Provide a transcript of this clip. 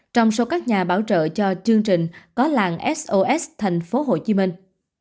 trong số các nhà bảo trợ cho chương trình có làng sos thành phố hồ chí minh